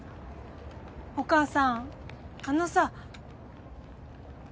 お母さんあのさ。